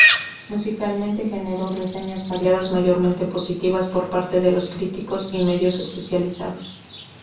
Musicalmente generó reseñas variadas mayormente positivas por parte de los críticos y medios especializados.